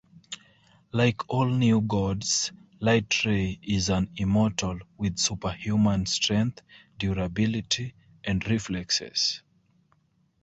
Like all New Gods, Lightray is an immortal with superhuman strength, durability and reflexes.